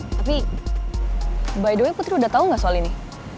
tapi by the way putri udah tahu nggak soal ini